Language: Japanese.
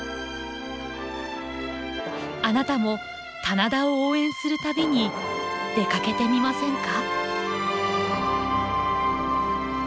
あなたも棚田を応援する旅に出かけてみませんか？